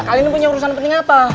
kalian ini punya urusan penting apa